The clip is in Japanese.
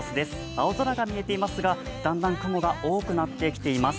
青空が見えていますが、だんだん雲が多くなってきています。